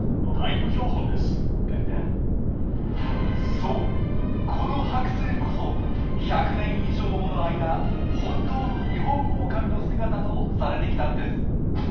そうこのはく製こそ１００年以上もの間本当のニホンオオカミの姿とされてきたんです。